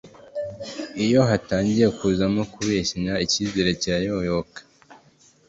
iyo hatangiye kuzamo kubeshyana ikizere kirayoyoka